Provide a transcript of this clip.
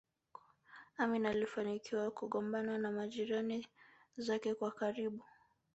Amin alifanikiwa kugombana na majirani zake wa karibu